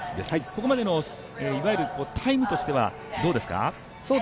ここまでのタイムとしてはどうですか？